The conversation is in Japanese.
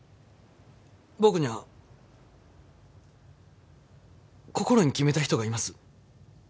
僕には心に決めた人がいます。